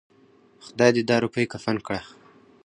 خداى دې دا روپۍ کفن کړه.